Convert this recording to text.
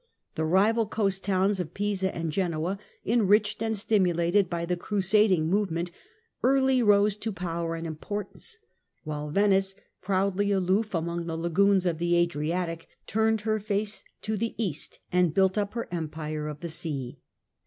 The rival coast towns of Pisa and Genoa, enriched and stimulated by the crusading movement (see Chap. X.), early rose to power and importance, while Venice, proudly aloof among the lagoons of the Adriatic, turned her face to the East, and built up her Empire of the sea.